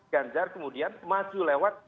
jandar kemudian maju lewat